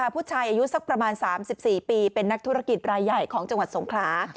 ผู้ชายอายุสักประมาณ๓๔ปีเป็นนักธุรกิจรายใหญ่ของจังหวัดสงขลา